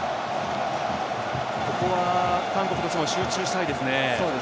ここは韓国としても集中したいですね。